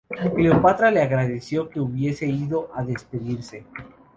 Cleopatra le agradeció que hubiese ido a despedirse.